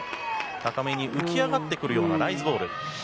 高めに浮き上がってくるようなライズボール。